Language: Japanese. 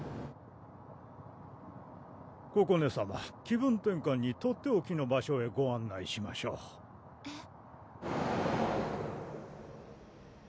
ここねさま気分転換にとっておきの場所へご案内しましょうえっ？